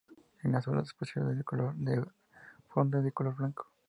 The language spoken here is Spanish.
En las alas posteriores el color de fondo es de color blanco.